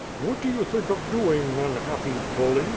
"What do you think of doing, unhappy bully?